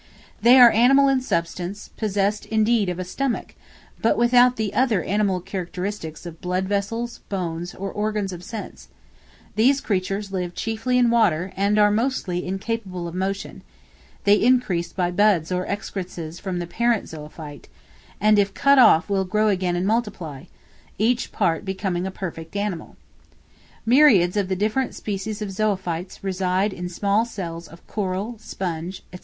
They are animal in substance, possessed indeed of a stomach, but without the other animal characteristics of blood vessels, bones, or organs of sense; these creatures live chiefly in water, and are mostly incapable of motion: they increase by buds or excrescences from the parent zoophyte, and if cut off will grow again and multiply; each part becoming a perfect animal. Myriads of the different species of zoophytes reside in small cells of coral, sponge, &c.